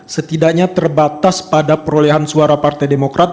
setidaknya terbatas pada perolehan suara partai demokrat